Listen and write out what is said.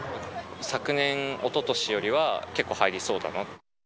昨年、おととしよりは、結構入りそうだな。